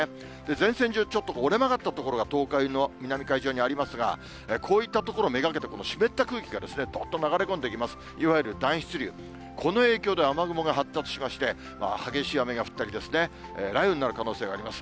前線上、ちょっと折れ曲がった所が東海の南海上にありますが、こういった所目がけて湿った空気がどっと流れ込んできます、いわゆる暖湿流、この影響で雨雲が発達しまして、激しい雨が降ったりですね、雷雨になる可能性があります。